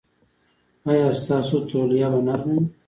ایا ستاسو تولیه به نرمه وي؟